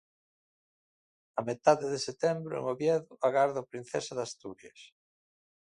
A metade de setembro, en Oviedo, agarda o Princesa de Asturias.